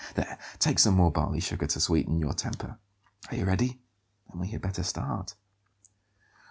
There, take some more barley sugar to sweeten your temper. Are you ready? Then we had better start."